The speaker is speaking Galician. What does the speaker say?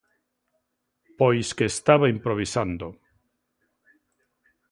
Pois que estaba improvisando.